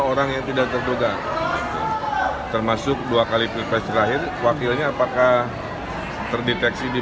orang yang tidak terduga termasuk dua kali pilpres terakhir wakilnya apakah terdeteksi di